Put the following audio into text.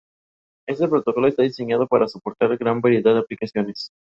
Tuvieron una hija, Lucia, y dos hijos Angelo y Peter.